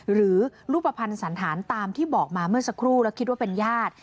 หรือรูปภัณฑ์สันธารตามที่บอกมาเมื่อสักครู่แล้วคิดว่าเป็นญาติ